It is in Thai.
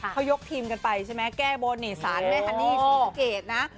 เขายกทีมกันไปใช่ไหมแก้บนนี่สารแม่ฮันนี่ศรีสะเกดนะ